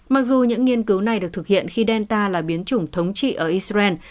mặc dù những nghiên cứu này được thực hiện khi delta là biến chủng thống trị ở israel